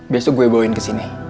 biasa gue bawain kesini